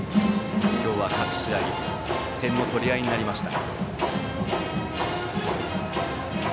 今日は各試合点の取り合いになりました。